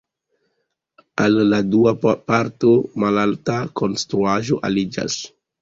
Al la dua parto malalta konstruaĵo aliĝas.